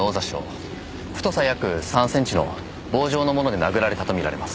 太さ約３センチの棒状の物で殴られたとみられます。